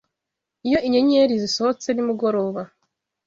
iyo inyenyeri zisohotse nimugoroba